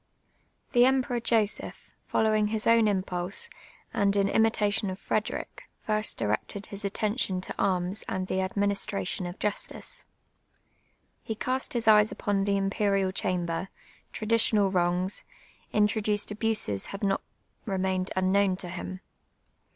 r'llie Emperor Joseph, followiu!:: his own im])ulsc, and m imi tation of Frederic, first directed his attention to arms auid the administration of justice. He east his eyes ujxrn the Imperial Chamber; traditional wrouijs, introduced abuses had not re mained unknown to him.